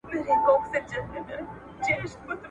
که په کمپیوټر کي فونټ بدل سي نو د لیک بڼه بدلېږي.